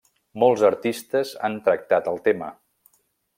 Molts artistes han tractat el tema.